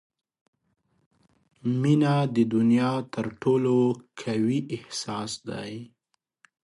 • مینه د دنیا تر ټولو قوي احساس دی.